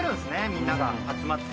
みんなが集まって。